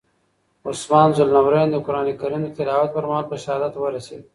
عثمان ذوالنورین د قرآن کریم د تلاوت پر مهال په شهادت ورسېد.